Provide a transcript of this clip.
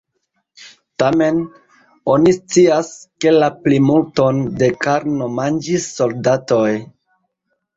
Tamen, oni scias, ke la plimulton de karno manĝis soldatoj.